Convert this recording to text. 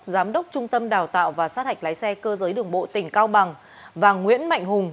giám đốc trung tâm đào tạo và sát hạch lái xe cơ giới đường bộ tỉnh cao bằng và nguyễn mạnh hùng